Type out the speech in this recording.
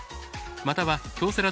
または「京セラ」